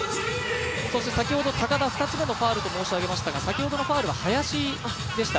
先ほど高田、２つ目ファウルと申し上げましたが、先ほどのファウルは林でした。